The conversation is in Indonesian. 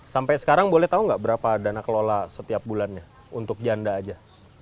sampai sekarang boleh tahu nggak berapa dana kelola setiap bulannya untuk janda aja